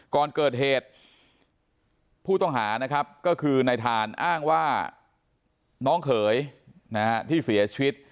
ก่อนเกิดเหตุผู้ต้องหานะครับก็คือนายทานอ้างว่าน้องเขยที่เสียชีวิต